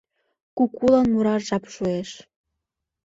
Кукулан мураш жап шуэш.